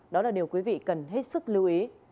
đó là điều quý vị cần hết sức lưu ý